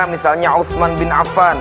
misalnya uthman bin affan